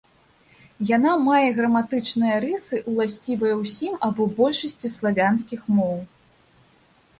Яна мае граматычныя рысы, ўласцівыя ўсім або большасці славянскіх моў.